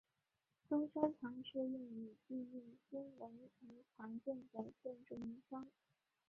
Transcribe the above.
中山堂是用以纪念孙文而常见的建筑名称。